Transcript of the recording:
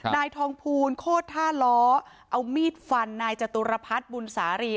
นายทองภูลโคตรท่าล้อเอามีดฟันนายจตุรพัฒน์บุญสารี